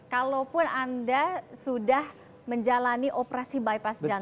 kalaupun anda sudah menjalani operasi bypass jalan